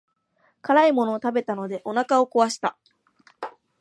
辛いものを食べたのでお腹を壊した。